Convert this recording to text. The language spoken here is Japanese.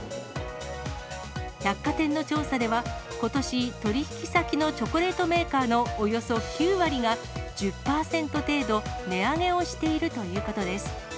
百貨店の調査では、ことし、取り引き先のチョコレートメーカーのおよそ９割が、１０％程度、値上げをしているということです。